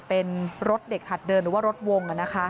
เป็นรถเด็กหัดเดินหรือว่ารถวง